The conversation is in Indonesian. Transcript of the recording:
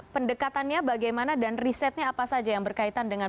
pendekatannya bagaimana dan risetnya apa saja yang berkaitan dengan